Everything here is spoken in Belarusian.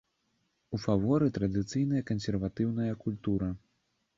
У фаворы традыцыйная кансерватыўная культура.